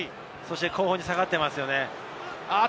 後方に下がっています。